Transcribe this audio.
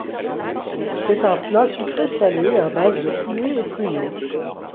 C'est un plat sucré-salé à base de poulet et pruneaux.